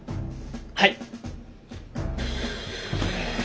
はい！